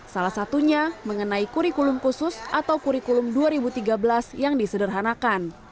salah satunya mengenai kurikulum khusus atau kurikulum dua ribu tiga belas yang disederhanakan